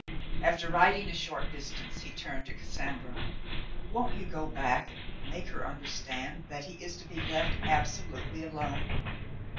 After riding a short distance, he turned to Cassandra. "Won't you go back and make her understand that he is to be left absolutely alone